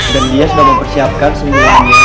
dan dia sudah mempersiapkan semuanya